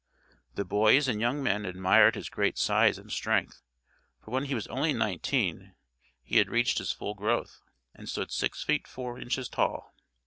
The boys and young men admired his great size and strength, for when he was only nineteen he had reached his full growth, and stood six feet four inches tall.